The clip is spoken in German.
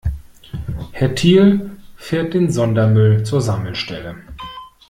Herr Thiel fährt den Sondermüll zur Sammelstelle.